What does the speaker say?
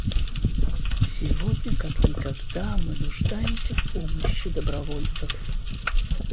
Сегодня как никогда мы нуждаемся в помощи добровольцев.